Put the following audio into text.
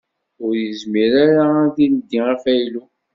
Ur yezmir ara a d-ildi afaylu.